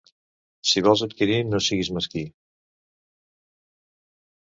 Si vols adquirir, no siguis mesquí.